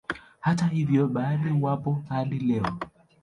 Hata hivyo baadhi wapo hadi leo